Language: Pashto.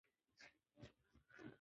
دا جګړه د مروې د جګړې په نوم یادیږي.